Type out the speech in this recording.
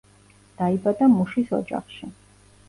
დაიბადა მუშის ოჯახში.